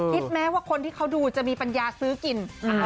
แม้ว่าคนที่เขาดูจะมีปัญญาซื้อกิน